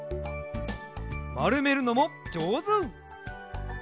まるめるのもじょうず！